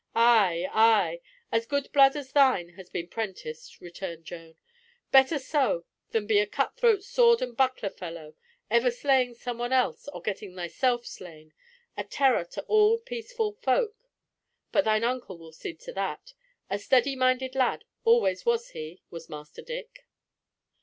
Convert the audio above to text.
"Ay, ay. As good blood as thine has been prenticed," returned Joan. "Better so than be a cut throat sword and buckler fellow, ever slaying some one else or getting thyself slain—a terror to all peaceful folk. But thine uncle will see to that—a steady minded lad always was he—was Master Dick."